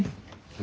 何？